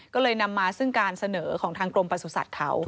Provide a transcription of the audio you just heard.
ก็เลยนำมาซึ่งการเสนอของทางกรมประสุทธิ์เขา